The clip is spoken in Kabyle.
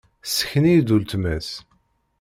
Tesseken-iyi-d uletma-s.